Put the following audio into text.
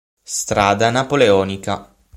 Strada Napoleonica